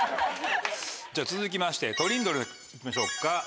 続きましてトリンドル行きましょうか。